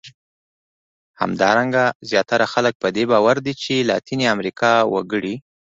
همدارنګه زیاتره خلک په دې باور دي چې لاتیني امریکا وګړي.